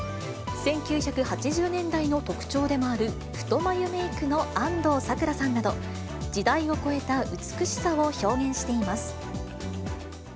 １９８０年代の特徴でもある太眉メークの安藤サクラさんなど、時代を超えた美しさを表現しています。